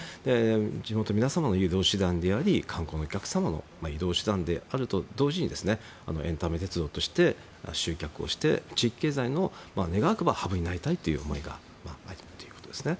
地元の皆さんの移動手段であり観光の皆さんの移動手段であるという同時にエンタメ鉄道として集客して願わくば地域経済のハブになりたいという思いがあるということですね。